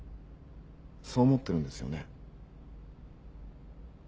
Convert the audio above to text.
そう思ってるんですよね？